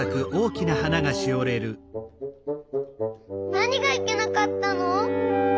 なにがいけなかったの！？